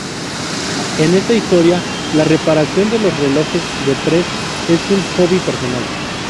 En esta historia, la reparación de los relojes de Prez es un hobby personal.